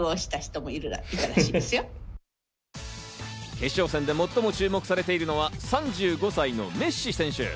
決勝戦で最も注目されているのは３５歳のメッシ選手。